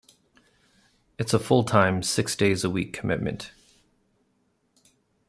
It is a full-time, six- days-a-week commitment.